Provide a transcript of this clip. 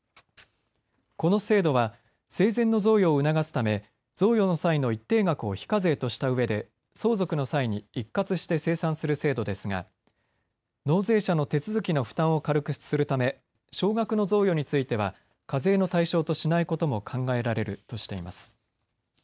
この制度は生前の贈与を促すため贈与の際の一定額を非課税としたうえで相続の際に一括して精算する制度ですが納税者の手続きの負担を軽くするため少額の贈与については課税の対象としないことも考えられるとしています。